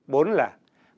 bộ phát triển của đảng